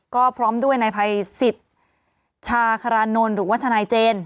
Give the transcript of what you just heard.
ก็พร้อมด้วยนายภัยสิทธิ์ชาคารานนท์หรือว่าทนายเจน